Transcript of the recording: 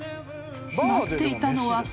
［待っていたのは。